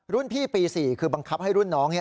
รุ่นพี่ปี๔คือบังคับให้รุ่นน้องเนี่ย